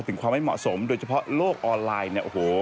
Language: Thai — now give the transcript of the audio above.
ถึงความไม่เหมาะสมโดยเฉพาะโลกออนไลน์